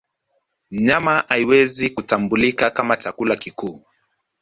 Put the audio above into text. Nyama haiwezi kutambulika kama chakula kikuu